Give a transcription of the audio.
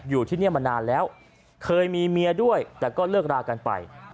อยู่ที่นี่มานานแล้วเคยมีเมียด้วยแต่ก็เลิกรากันไป